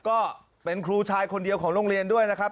ก็เป็นครูชายคนเดียวของโรงเรียนด้วยนะครับ